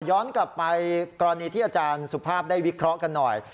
ย้อนกลับไปกรณีที่อาจารย์สุภาพได้วิเคราะห์กันหน่อย